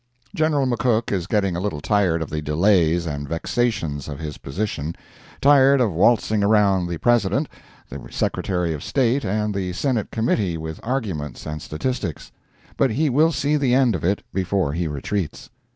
General McCook is getting a little tired of the delays and vexations of his position—tired of waltzing around the President, the Secretary of State and the Senate Committee with arguments and statistics, but he will see the end of it before he retreats.